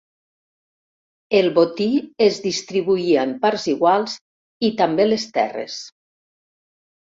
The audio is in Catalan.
El botí es distribuïa en parts iguals i també les terres.